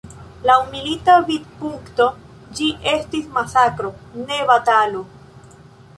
Laŭ milita vidpunkto, ĝi estis masakro, ne batalo.